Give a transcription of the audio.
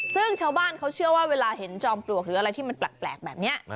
ซึ่งชาวบ้านเขาเชื่อว่าเวลาเห็นจอมปลวกหรืออะไรที่มันแปลกแบบนี้